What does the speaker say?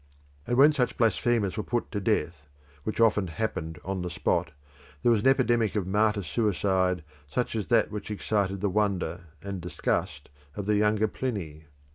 And when such blasphemers were put to death, which often happened on the spot, there was an epidemic of martyr suicide such as that which excited the wonder and disgust of the younger Pliny.